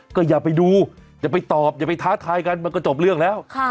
ก็อย่าไปดูอย่าไปตอบอย่าไปท้าทายกันมันก็จบเรื่องแล้ว